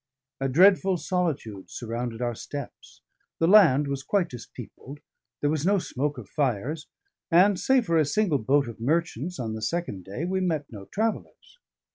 A dreadful solitude surrounded our steps; the land was quite dispeopled, there was no smoke of fires; and save for a single boat of merchants on the second day, we met no travellers.